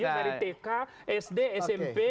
dari tk sd smp